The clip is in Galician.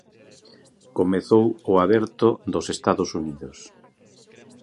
Comezou o Aberto dos Estados Unidos.